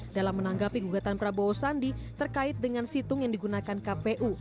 dalam menanggapi gugatan prabowo sandi terkait dengan situng yang digunakan kpu